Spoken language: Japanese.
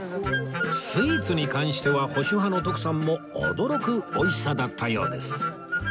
スイーツに関しては保守派の徳さんも驚く美味しさだったようです